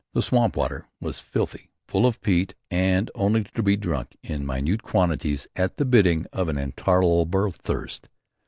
The swamp water was filthy, full of peat and only to be drunk in minute quantities at the bidding of an intolerable thirst.